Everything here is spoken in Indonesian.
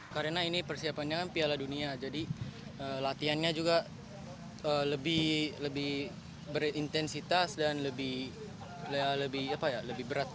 karena ini persiapannya kan piala dunia jadi latihannya juga lebih berintensitas dan lebih berat